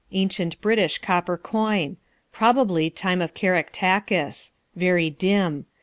Ancient British copper coin. Probably time of Caractacus. Very dim.